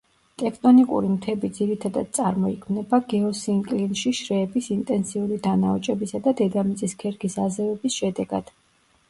ტექტონიკური მთები ძირითადად წარმოიქმნება გეოსინკლინში შრეების ინტენსიური დანაოჭებისა და დედამიწის ქერქის აზევების შედეგად.